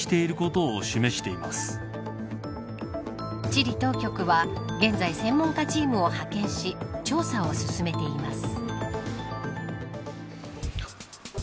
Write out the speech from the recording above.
チリ当局は現在専門家チームを派遣し調査を進めています。